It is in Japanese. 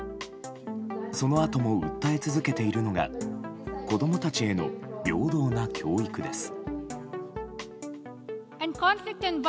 そのあとも訴え続けているのが子供たちへの平等な教育です。